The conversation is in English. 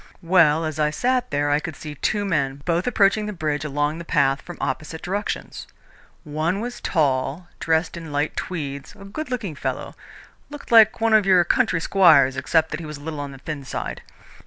Well, as I sat there I could see two men, both approaching the bridge along the path from opposite directions. One was tall, dressed in light tweeds, a good looking fellow looked like one of your country squires except that he was a little on the thin side.